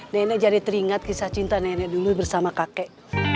nenek jadi teringat kisah cinta nenek dulu bersama kakek